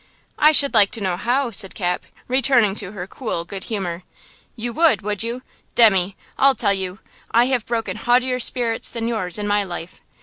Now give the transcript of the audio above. "I should like to know how," said Cap, returning to her cool good humor. "You would, would you? Demmy, I'll tell you! I have broken haughtier spirits than yours in my life.